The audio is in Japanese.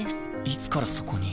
いつからそこに？